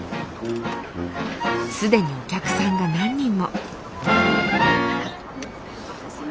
既にお客さんが何人も。